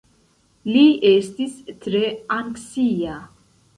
Li estis tre anksia.